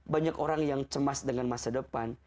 banyak orang yang cemas dengan masa depan